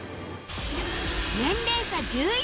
年齢差１１歳